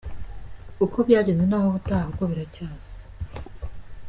Uko byagenze ni ah’ubutaha kuko biracyaza….